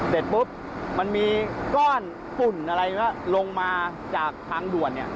เสร็จปุ๊บมันมีก้อนฝุ่นอะไรอย่างนี้ลงมาจากทางด่วน